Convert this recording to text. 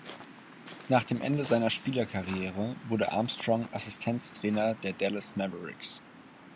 Nach dem Ende seiner Spielerkarriere wurde Armstrong Assistenztrainer der Dallas Mavericks.